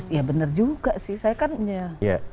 ya benar juga sih saya kan ya